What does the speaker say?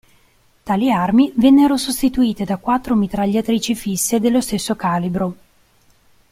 Tali armi vennero sostituite da quattro mitragliatrici fisse dello stesso calibro.